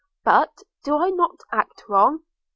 – But, do I not act wrong?